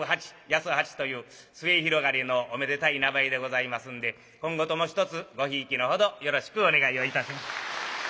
「やそはち」という末広がりのおめでたい名前でございますんで今後ともひとつごひいきのほどよろしくお願いをいたします。